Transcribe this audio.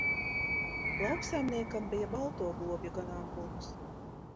Lauksaimniekam bija balto govju ganāmpulks